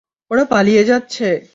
ওরা পালিয়ে যাচ্ছে!